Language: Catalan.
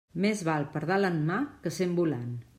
Més val pardal en la mà que cent volant.